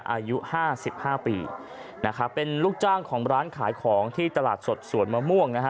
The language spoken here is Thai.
อายุห้าสิบห้าปีนะครับเป็นลูกจ้างของร้านขายของที่ตลาดสดสวนมะม่วงนะฮะ